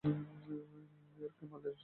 মেয়রকে মারলে সাসপেন্ড তো করবেই!